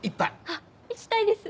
あっ行きたいです。